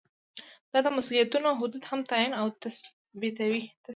دا د مسؤلیتونو حدود هم تعین او تثبیتوي.